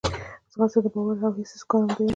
ځغاسته د باور او هڅې ښکارندوی ده